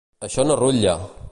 Això no rutlla!